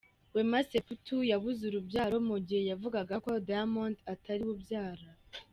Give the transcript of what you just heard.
Wema Sepetu yabuze urubyaro mugihe yavugaga ko Diamond atariwe ubyara.